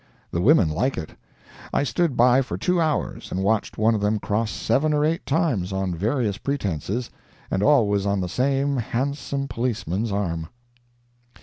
The women like it. I stood by for two hours and watched one of them cross seven or eight times on various pretences, and always on the same handsome policeman's arm.